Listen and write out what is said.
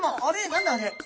何だあれ？